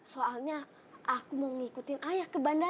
soalnya aku mau ngikutin ayah ke bandara